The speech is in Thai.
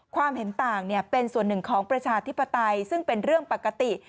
ความเห็นต่างเป็นส่วนหนึ่งของประชาธิปไตยซึ่งเป็นเรื่องปกติ